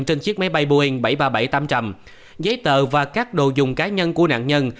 trên chiếc máy bay boeing bảy trăm ba mươi bảy tám trăm linh giấy tờ và các đồ dùng cá nhân của nạn nhân